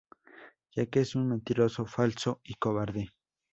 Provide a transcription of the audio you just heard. Ya que es un mentiroso, falso y cobarde.